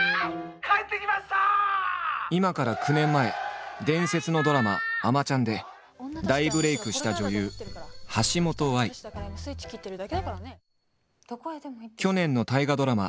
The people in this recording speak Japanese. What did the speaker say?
今から９年前伝説のドラマ「あまちゃん」で大ブレークした去年の大河ドラマ